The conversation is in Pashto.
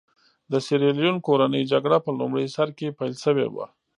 د سیریلیون کورنۍ جګړه په لومړي سر کې پیل شوې وه.